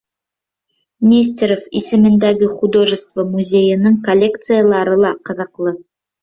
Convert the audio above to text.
М. В. Нестеров исемендәге художество музейының коллекциялары ла ҡыҙыҡлы.